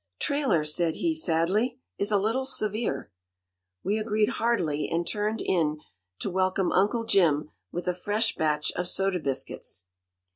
"Trailer," said he sadly, "is a little severe." We agreed heartily, and turned in to welcome Uncle Jim with a fresh batch of soda biscuits.